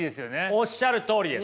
おっしゃるとおりです。